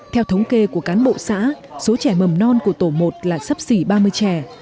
theo thống kê của cán bộ xã số trẻ mầm non của tổ một là sắp xỉ ba mươi trẻ